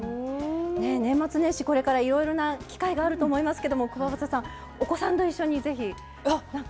年末年始、これからいろいろな機会があると思いますがくわばたさん、お子さんと一緒にぜひ、なんか。